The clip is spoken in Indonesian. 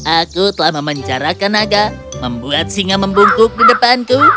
aku telah memenjarakan naga membuat singa membungkuk di depanku